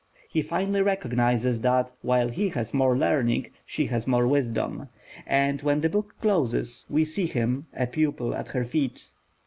He finally recognises that while he has more learning, she has more wisdom; and when the book closes, we see him a pupil at her feet.